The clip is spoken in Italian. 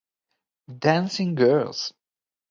Dancing Girls